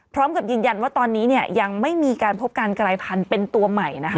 พร้อมกับยืนยันว่าตอนนี้เนี่ยยังไม่มีการพบการกลายพันธุ์เป็นตัวใหม่นะคะ